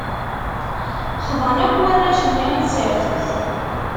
Xḍan akk warrac-nni i tsertit.